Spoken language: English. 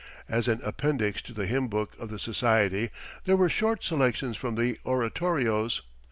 As an appendix to the hymn book of the society there were short selections from the oratorios.